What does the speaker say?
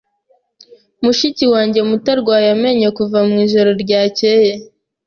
Mushiki wanjye muto arwaye amenyo kuva mwijoro ryakeye.